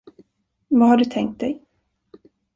Vad har du tänkt dig?